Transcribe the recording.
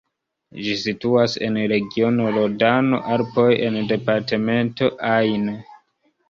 Ĝi situas en regiono Rodano-Alpoj en departemento Ain.